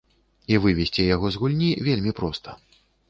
І вывесці яго з гульні вельмі проста.